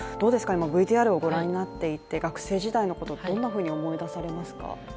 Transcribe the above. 今、ＶＴＲをご覧になっていて、学生時代のことどんなふうに思い出されますか？